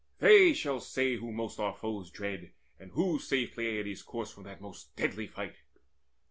They shall say whom most Our foes dread, and who saved Peleides' corse From that most deadly fight.